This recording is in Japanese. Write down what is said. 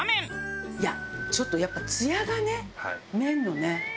いやちょっとやっぱツヤがね麺のね。